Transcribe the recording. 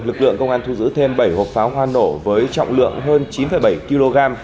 lực lượng công an thu giữ thêm bảy hộp pháo hoa nổ với trọng lượng hơn chín bảy kg